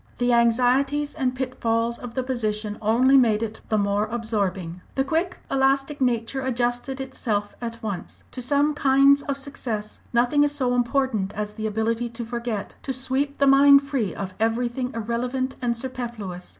The anxieties and pitfalls of the position only made it the more absorbing. The quick, elastic nature adjusted itself at once. To some kinds of success, nothing is so important as the ability to forget to sweep the mind free of everything irrelevant and superfluous.